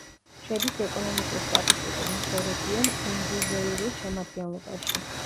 შედის ეკონომიკურ-სტატისტიკურ მიკრორეგიონ უმბუზეირუს შემადგენლობაში.